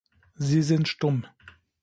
Sie sind stumm.